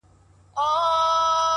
• بيا چي يخ سمال پټيو څخه راسي؛